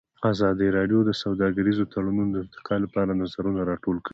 ازادي راډیو د سوداګریز تړونونه د ارتقا لپاره نظرونه راټول کړي.